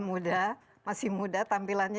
muda masih muda tampilannya